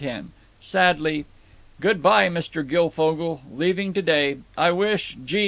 Sadly: "Good by, Mr. Guilfogle. Leaving to day. I wish—Gee!